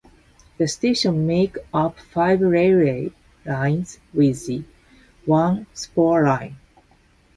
The stations make up five railway lines with one spur line.